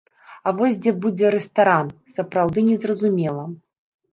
А вось дзе будзе рэстаран, сапраўды незразумела.